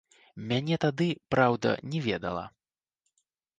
Мяне тады, праўда, не ведала.